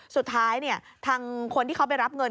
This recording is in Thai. สุดท้ายทางคนที่เขาไปรับเงิน